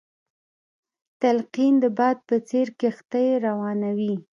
تلقين د باد په څېر کښتۍ روانوي.